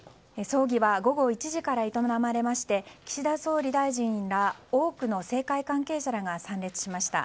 葬儀は午後１時から営まれまして岸田総理大臣ら多くの政界関係者らが参列しました。